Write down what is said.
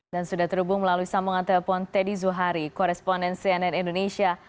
dan sudah terhubung melalui sambungan telepon teddy zuhari koresponden cnn indonesia